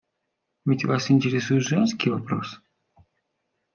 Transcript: Ведь вас интересует женский вопрос?